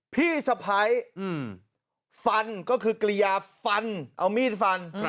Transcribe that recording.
พี่สะพ้ายฟันก็คือกริยาฟันเอามีดฟัน